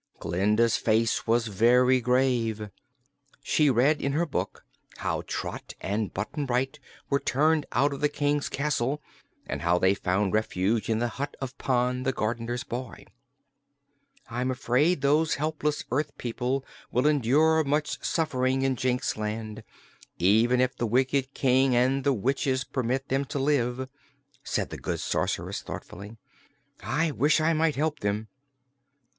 Glinda's face was very grave. She read in her book how Trot and Button Bright were turned out of the King's castle, and how they found refuge in the hut of Pon, the gardener's boy. "I'm afraid those helpless earth people will endure much suffering in Jinxland, even if the wicked King and the witches permit them to live," said the good Sorceress, thoughtfully. "I wish I might help them."